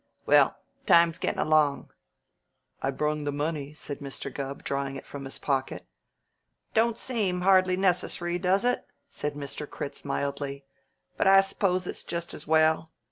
Well, time's gettin' along " "I brung the money," said Mr. Gubb, drawing it from his pocket. "Don't seem hardly necess'ry, does it?" said Mr. Critz mildly. "But I s'pose it's just as well.